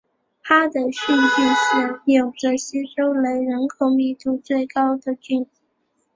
哈德逊郡是纽泽西州内人口密度最高的郡。